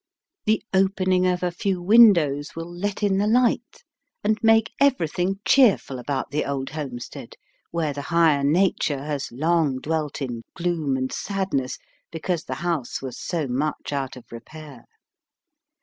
The opening of a few windows will let in the light and make everything ŌĆócheerful about the old homestead where the higher nature has long dwelt in gloom and sadness because the house was so much out of repair.